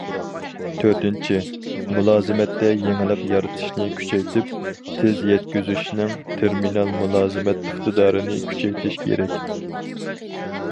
تۆتىنچى، مۇلازىمەتتە يېڭىلىق يارىتىشنى كۈچەيتىپ، تېز يەتكۈزۈشنىڭ تېرمىنال مۇلازىمەت ئىقتىدارىنى كۈچەيتىش كېرەك.